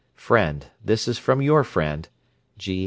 Friend, this is from your friend, G.